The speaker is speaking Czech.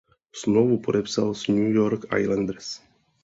Smlouvu podepsal s New York Islanders.